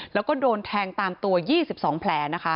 แล้วก็โดนแทงตามตัว๒๒แผลนะคะ